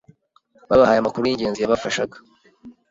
babahaye amakuru y'ingenzi yabafashaga